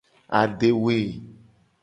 Adewe.